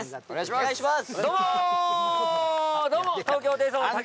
お願いします